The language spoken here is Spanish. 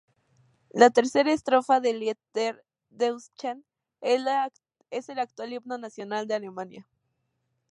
La tercera estrofa de "Lied der Deutschen" es el actual himno nacional de Alemania.